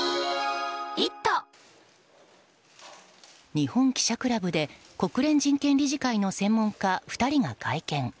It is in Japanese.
日本記者クラブで国連人権理事会の専門家２人が会見。